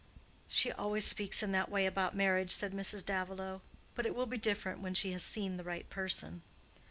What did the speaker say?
"She always speaks in that way about marriage," said Mrs. Davilow; "but it will be different when she has seen the right person."